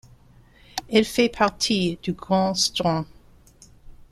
Elle fait partie du Grand Strand.